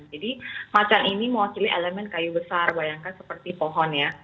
jadi macan ini mewakili elemen kayu besar bayangkan seperti pohon ya